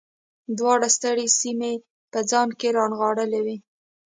دواړو سترې سیمې په ځان کې رانغاړلې وې.